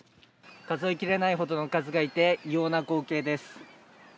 数えきれないほどの数がいて、異様な光景です。